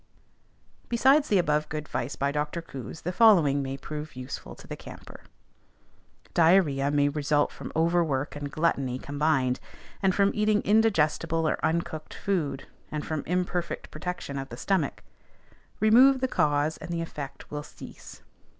Besides the above good advice by Dr. Coues, the following may prove useful to the camper: Diarrhoea may result from overwork and gluttony combined, and from eating indigestible or uncooked food, and from imperfect protection of the stomach. "Remove the cause, and the effect will cease."